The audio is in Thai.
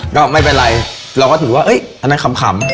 ก็ไม่เป็นไรเราก็ถือว่าอันนั้นขำ